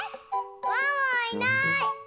ワンワンいない。